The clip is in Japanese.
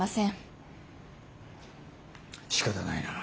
しかたないな。